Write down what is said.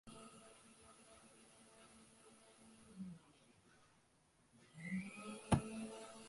ஆளைக் கண்டு மலைக்காதே ஊது காமாலை.